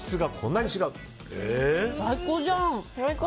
最高じゃん！